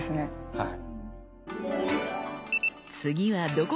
はい。